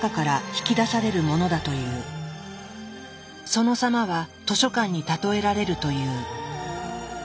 その様は図書館に例えられるという。